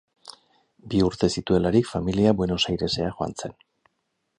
Bi urte zituelarik familia Buenos Airesera joan zen.